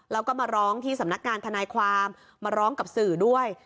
แล้วก็มาร้องที่สำนักงานทนายความมาร้องกับสื่อด้วย